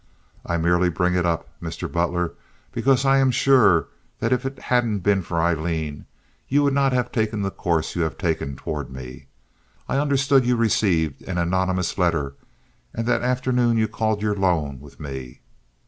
I merely bring it up, Mr. Butler, because I am sure that if it hadn't been for Aileen you would not have taken the course you have taken toward me. I understood you received an anonymous letter, and that afternoon you called your loan with me.